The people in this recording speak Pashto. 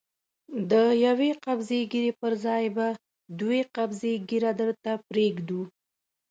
د يوې قبضې ږيرې پر ځای به دوې قبضې ږيره درته پرېږدو.